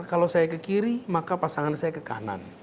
kalau saya ke kiri maka pasangan saya ke kanan